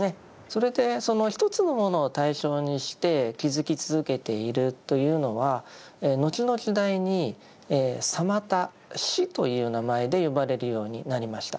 それでその一つのものを対象にして気づき続けているというのは後の時代に「サマタ」「止」という名前で呼ばれるようになりました。